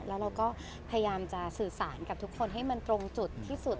แล้วเราก็พยายามจะสื่อสารกับทุกคนให้มันตรงจุดที่สุด